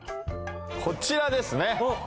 こちらですね。